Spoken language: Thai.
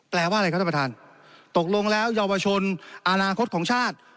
แปลว่าอะไรครับท่านประธานตกลงแล้วเยาวชนอนาคตของชาติ